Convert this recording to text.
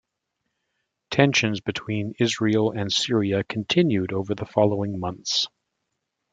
Tensions between Israel and Syria continued over the following months.